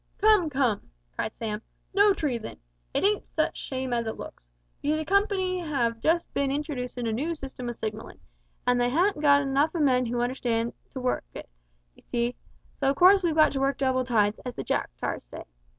"Come, come," cried Sam, "no treason! It ain't such a shame as it looks. You see the Company have just bin introducin' a noo system of signallin', an' they ha'n't got enough of men who understand the thing to work it, d'ye see; so of course we've got to work double tides, as the Jack tars say.